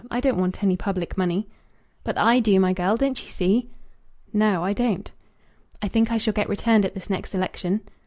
I don't want any public money." "But I do, my girl. Don't you see?" "No; I don't." "I think I shall get returned at this next election."